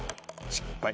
失敗。